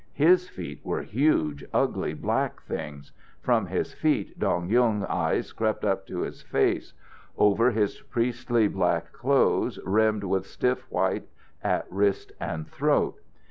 His feet were huge, ugly black things. From his feet Dong Yung's eyes crept up to his face, over his priestly black clothes, rimmed with stiff white at wrist and throat.